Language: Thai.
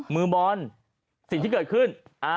มือบอลสิ่งที่เกิดขึ้น